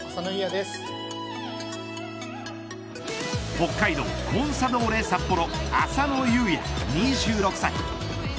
北海道コンサドーレ札幌浅野雄也、２６歳。